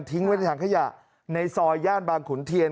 ไว้ในถังขยะในซอยย่านบางขุนเทียน